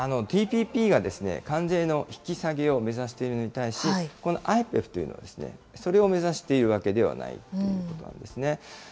ＴＰＰが関税の引き下げを目指しているのに対し、このＩＰＥＦというのは、それを目指しているわけではないということなんですね。